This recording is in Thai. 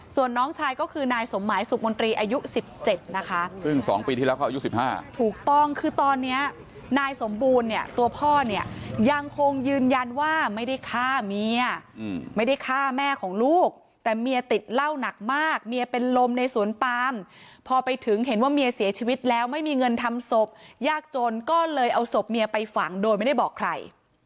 ส่วนน้องชายก็คือนายสมหมายสุขมนตรีอายุ๑๗นะคะซึ่ง๒ปีที่แล้วเขาอายุ๑๕ถูกต้องคือตอนนี้นายสมบูรณ์เนี่ยตัวพ่อเนี่ยยังคงยืนยันว่าไม่ได้ฆ่าเมียไม่ได้ฆ่าแม่ของลูกแต่เมียติดเหล้าหนักมากเมียเป็นลมในสวนปามพอไปถึงเห็นว่าเมียเสียชีวิตแล้วไม่มีเงินทำศพยากจนก็เลยเอาศพเมียไปฝังโดยไม่ได้บอกใคร